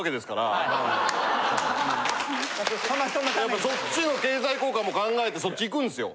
やっぱそっちの経済効果も考えてそっち行くんですよ。